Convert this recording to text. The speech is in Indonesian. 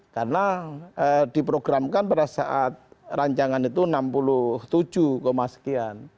karena diprogramkan pada saat rancangan itu enam puluh tujuh sekian